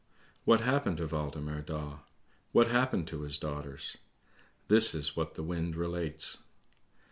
What happened to Waldemar Daa? What happened to his daughters? This is what the wind relates.